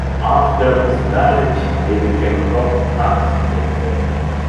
After his marriage, he became a top tax collector.